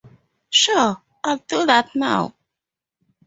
Sure, I'll do that now